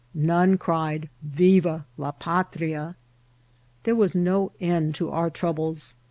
None cried " Viva la Patria !" There was no end to our troubles.